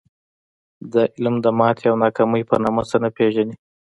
دا علم د ماتې او ناکامۍ په نامه څه نه پېژني